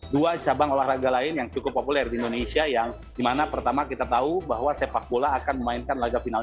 dua cabang olahraga lain yang cukup populer di indonesia yang dimana pertama kita tahu bahwa sepak bola akan memainkan laga final